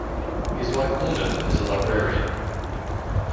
His wife Lynda is a librarian.